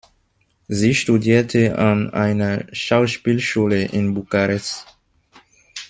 Sie studierte an einer Schauspielschule in Bukarest.